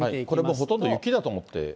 これもうほとんど雪だと思って。